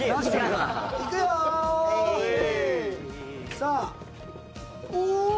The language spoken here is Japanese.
さあおお！